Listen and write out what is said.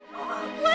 buat buah ya